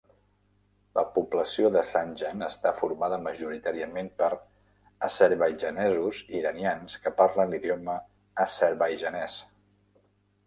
La població de Zanjan està formada majoritàriament per azerbaidjanesos iranians que parlen l'idioma azerbaidjanès.